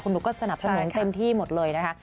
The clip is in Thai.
หนูก็สนับสนุนเต็มที่หมดเลยนะคะ